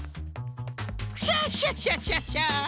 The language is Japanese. クシャシャシャシャシャ！